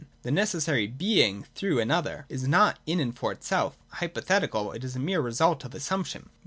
The necessary, being through an other, is not in and for itself: hypothetical, it is a mere result of assumption.